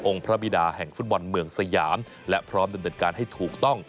พระบิดาแห่งฟุตบอลเมืองสยามและพร้อมดำเนินการให้ถูกต้อง